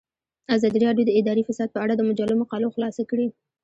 ازادي راډیو د اداري فساد په اړه د مجلو مقالو خلاصه کړې.